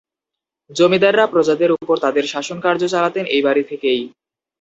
জমিদাররা প্রজাদের উপর তাদের শাসনকার্য চালাতেন এই বাড়ি থেকেই।